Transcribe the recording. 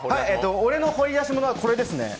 俺の掘り出し物はこれですね。